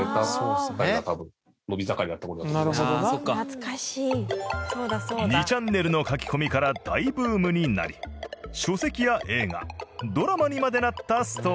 「懐かしい」「２ちゃんねる」の書き込みから大ブームになり書籍や映画ドラマにまでなったストーリー。